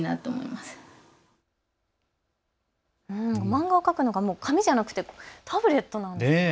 漫画を描くのが紙ではなくてタブレットなんですね。